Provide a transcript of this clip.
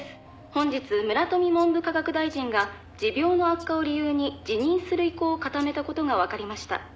「本日村富文部科学大臣が持病の悪化を理由に辞任する意向を固めた事がわかりました」